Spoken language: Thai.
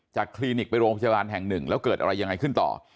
คลินิกไปโรงพยาบาลแห่งหนึ่งแล้วเกิดอะไรยังไงขึ้นต่อ